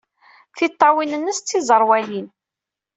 Tiṭṭawin-nnes d tiẓerwalin.